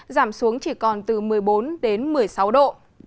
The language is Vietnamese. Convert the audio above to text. giảm xuống chỉ còn từ một mươi bốn đến một mươi sáu độ